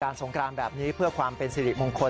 สงครานแบบนี้เพื่อความเป็นสิริมงคล